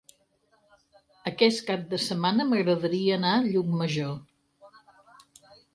Aquest cap de setmana m'agradaria anar a Llucmajor.